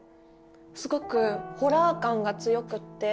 すごくホラー感が強くって。